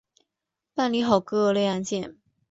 办理好各类案件